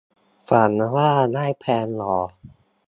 ฝันว่าได้แฟนหล่อ